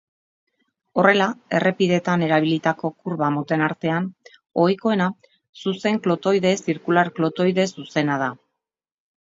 Horrela, errepideetan erabilitako kurba moten artean, ohikoena zuzen-klotoide-zirkular-klotoide-zuzena da.